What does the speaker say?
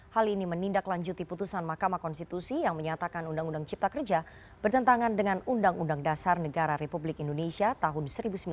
hal ini menindaklanjuti putusan mahkamah konstitusi yang menyatakan undang undang cipta kerja bertentangan dengan undang undang dasar negara republik indonesia tahun seribu sembilan ratus empat puluh lima